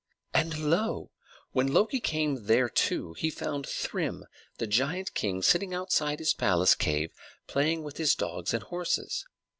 And lo! when Loki came thereto he found Thrym the Giant King sitting outside his palace cave, playing with his dogs and horses.